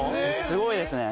すごいですね。